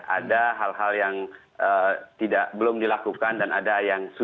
ada hal hal yang belum dilakukan dan ada yang